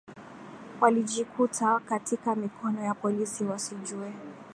walijikuta katika mikono ya polisi wasijue